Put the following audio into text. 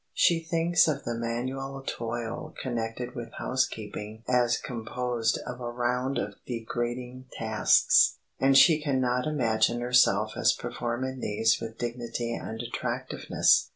She thinks of the manual toil connected with housekeeping as composed of a round of degrading tasks, and she can not imagine herself as performing these with dignity and attractiveness.